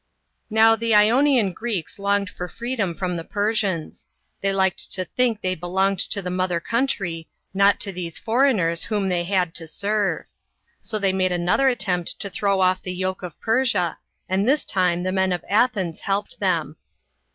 Now the Ionian Greeks longed for freedom from the Persians. They liked to think they belonged to 1 See chapter 25. B.C. 494.] DIONYSIUS THE^ GREEK. 87 *:he mother country, not to tihese foreigners, whom they had to serve. So they made another attempt to throw off the yoke of Persia, and this time the men of Athens helped th6m.